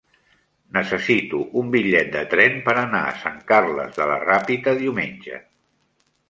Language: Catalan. Necessito un bitllet de tren per anar a Sant Carles de la Ràpita diumenge.